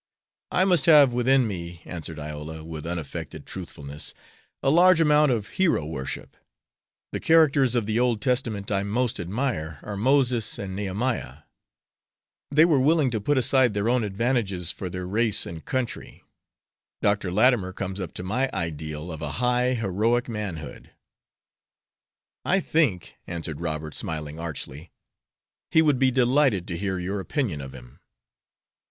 "I must have within me," answered Iola, with unaffected truthfulness, "a large amount of hero worship. The characters of the Old Testament I most admire are Moses and Nehemiah. They were willing to put aside their own advantages for their race and country. Dr. Latimer comes up to my ideal of a high, heroic manhood." "I think," answered Robert, smiling archly, "he would be delighted to hear your opinion of him."